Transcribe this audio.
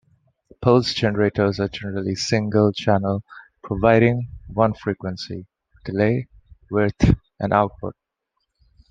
Pulse generators are generally single-channel providing one frequency, delay, width and output.